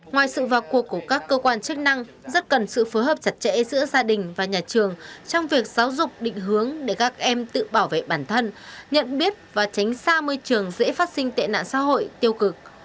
ngoài sự vào cuộc của các cơ quan chức năng rất cần sự phối hợp chặt chẽ giữa gia đình và nhà trường trong việc giáo dục định hướng để các em tự bảo vệ bản thân nhận biết và tránh xa môi trường dễ phát sinh tệ nạn xã hội tiêu cực